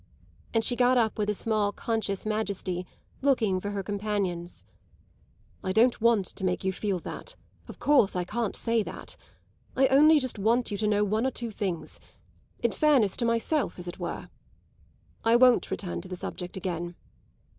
And she got up with a small conscious majesty, looking for her companions. "I don't want to make you feel that; of course I can't say that. I only just want you to know one or two things in fairness to myself, as it were. I won't return to the subject again.